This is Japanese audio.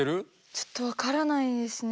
ちょっと分からないですね。